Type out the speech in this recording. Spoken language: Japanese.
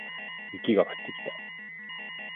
雪が降ってきた